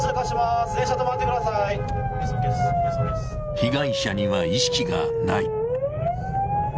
被害者には意識がない。